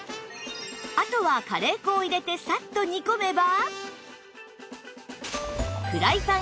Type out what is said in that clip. あとはカレー粉を入れてさっと煮込めば